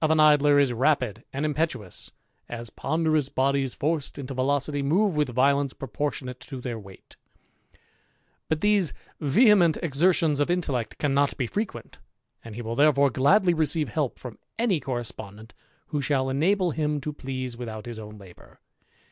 279 in Idler is rapid and impetuous, as ponderous bodies ed into velocity move with violence proportionate to r weight ut these vehement exertions of intellect cannot be ient, and he will therefore gladly receive help from correspondent who shall enable him to please without own labour.